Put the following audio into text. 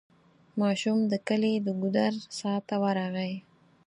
ماشوم د کلي د ګودر څا ته ورغی.